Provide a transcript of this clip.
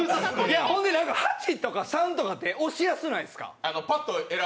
８とか３とかって押しやすくないですか。